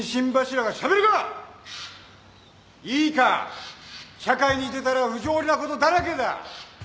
いいか社会に出たら不条理なことだらけだ。